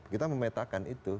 kita memetakan itu